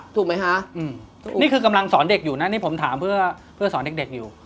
ถูกไหมคะนี่คือกำลังสอนเด็กอยู่นะนี่ผมถามเพื่อสอนเด็กอยู่